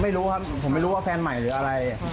ไม่รู้ครับผมไม่รู้ว่าแฟนใหม่หรืออะไร